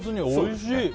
おいしい！